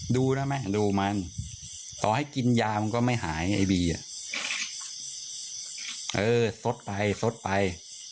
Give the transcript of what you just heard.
ดูนะแม่ดูมันต่อให้กินยามันก็ไม่หายไอ้บีอ่ะเออสดไปซดไป